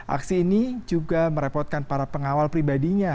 aksi ini juga merepotkan para pengawal pribadinya